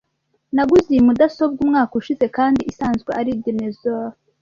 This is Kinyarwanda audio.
Naguze iyi mudasobwa umwaka ushize kandi isanzwe ari dinosaur.